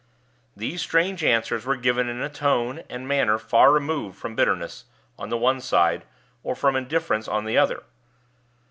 These strange answers were given in a tone and manner far removed from bitterness on the one side, or from indifference on the other.